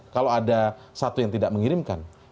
kalau ada satu yang tidak mengirimkan